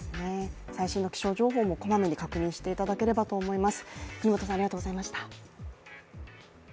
最新の気象情報も小まめに確認していただければと思います。